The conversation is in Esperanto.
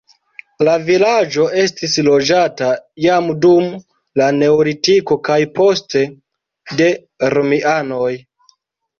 La vilaĝo estis loĝata jam dum la neolitiko kaj poste de romianoj.